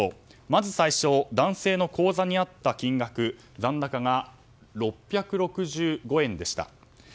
まず、男性の口座にあった金額残高が６６５円でした。